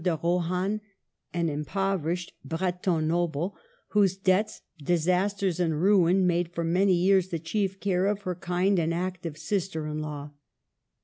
de Rohan, an impoverished Breton noble, whose debts, disasters, and ruin made for many years the chief care of her kind and active sister in law.